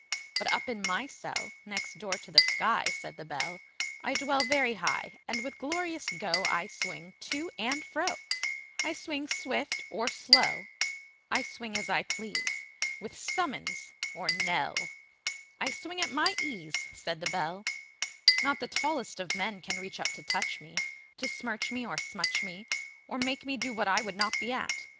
But up in my cell Next door to the sky, Said the Bell, I dwell Very high; And with glorious go I swing to and fro; I swing swift or slow, I swing as I please, With summons or knell; I swing at my ease, Said the Bell: Not the tallest of men Can reach up to touch me, To smirch me or smutch me, Or make me do what I would not be at!